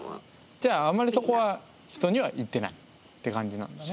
じゃああんまりそこは人には言ってないって感じなんだね。